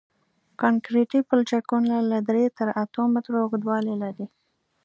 کانکریټي پلچکونه له درې تر اتو مترو اوږدوالی لري